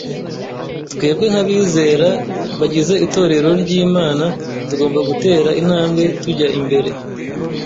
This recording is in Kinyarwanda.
twebwe nk’abizera bagize itorero ry’Imana tugomba gutera intambwe tujya mbere